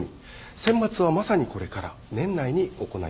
選抜はまさにこれから年内に行います。